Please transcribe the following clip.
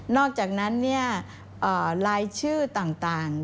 อกจากนั้นรายชื่อต่าง